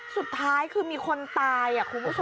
สุดท้ายคือมีคนตายคุณผู้ชม